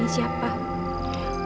tapi saya tak tahu namun